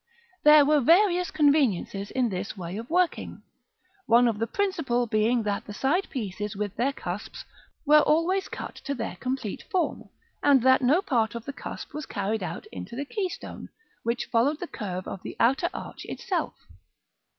There were various conveniences in this way of working, one of the principal being that the side pieces with their cusps were always cut to their complete form, and that no part of the cusp was carried out into the keystone, which followed the curve of the outer arch itself.